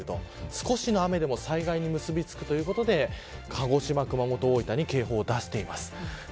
少しの雨でも災害に結びつくということで鹿児島、熊本、大分に警報を出しています。